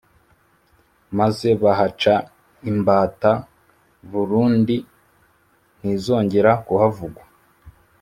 Maze bahaca imbata Burundi ntizongera kuhavugwa